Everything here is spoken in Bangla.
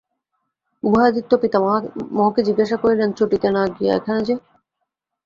উদয়াদিত্য পিতামহকে জিজ্ঞাসা করিলেন, চটিতে না গিয়া এখানে যে?